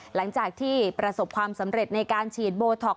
หลังจากที่ประสบความสำเร็จในการฉีดโบท็อก